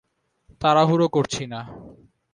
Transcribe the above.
তাড়াহুড়ো করছি না।